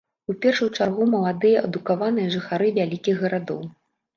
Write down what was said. У першую чаргу, маладыя, адукаваныя жыхары вялікіх гарадоў.